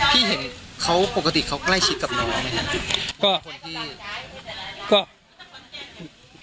พี่เห็นเขาปกติเขาใกล้ชิดกับน้องไหมครับก็คนที่ก็